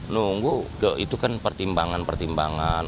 nunggu itu kan pertimbangan pertimbangan